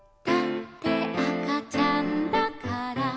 「だってあかちゃんだから」